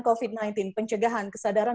covid sembilan belas pencegahan kesadaran